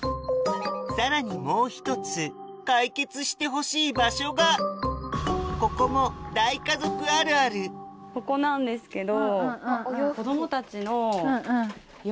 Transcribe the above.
さらにもう１つ解決してほしい場所がここもここなんですけど。